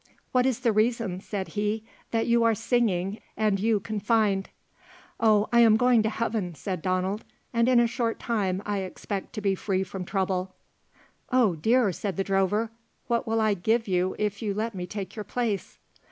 "What is the reason," said he, "that you are singing, and you confined?" "O, I am going to heaven," said Donald, "and in a short time I expect to be free from trouble." "O dear," said the drover, "what will I give you if you let me to your place?"